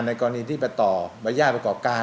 กรณีที่ไปต่อบรรยาทประกอบการ